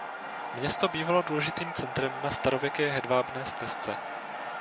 Město bývalo důležitým centrem na starověké Hedvábné stezce.